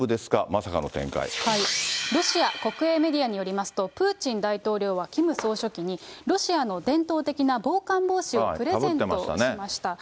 ロシア国営メディアによりますと、プーチン大統領はキム総書記に、ロシアの伝統的な防寒帽子をプレゼントしました。